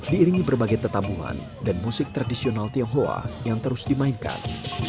diiringi berbagai tetabuhan dan musik tradisional tionghoa yang terus dimainkan